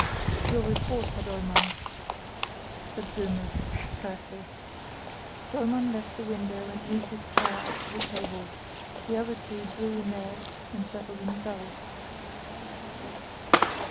"Your report, Herr Dollmann," said Böhme, curtly. Dollmann left the window and moved his chair up to the table; the other two drew in theirs and settled themselves.